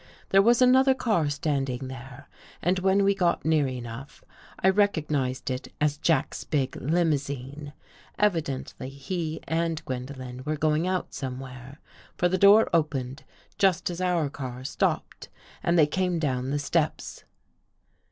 There was another car standing there, and when we got near enough, I recognized it as Jack's big limousine. Evidently he and Gwendolen were going out somewhere, for the door opened just as our car stopped and they came down the steps.